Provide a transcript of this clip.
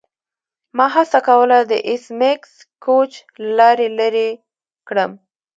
ما هڅه کوله د ایس میکس کوچ له لارې لیرې کړم